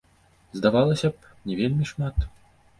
Здавалася б, не вельмі шмат?